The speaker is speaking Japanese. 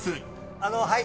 あのはい！